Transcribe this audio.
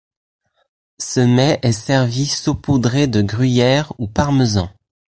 Ce mets est servi saupoudré de gruyère ou parmesan.